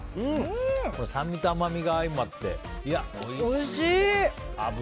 酸味と甘みが相まっておいしい！